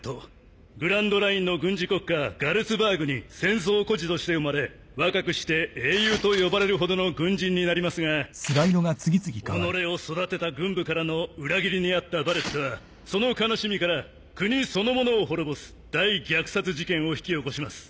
グランドラインの軍事国家ガルツバーグに戦争孤児として生まれ若くして英雄と呼ばれるほどの軍人になりますが己を育てた軍部からの裏切りにあったバレットはその悲しみから国そのものを滅ぼす大虐殺事件を引き起こします。